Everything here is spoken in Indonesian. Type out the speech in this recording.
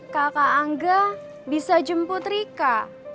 kakak angga bisa jemput rika